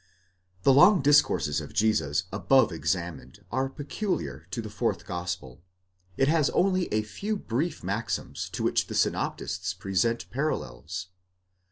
The long discourses of Jesus above examined are peculiar to the fourth gospel; it has only a few brief maxims to which the synoptists present parallels.